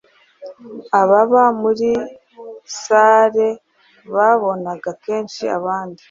Ababa muri sallebabonaga kenshi abandi